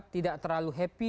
tidak terlalu happy